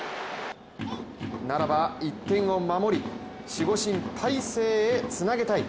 ならば１点を守り守護神・大勢へつなげたい。